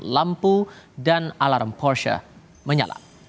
lampu dan alarm porsya menyala